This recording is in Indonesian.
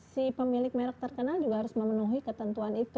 si pemilik merek terkenal juga harus memenuhi ketentuan itu